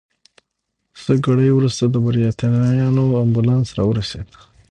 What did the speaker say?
څه ګړی وروسته د بریتانویانو امبولانس راورسېد.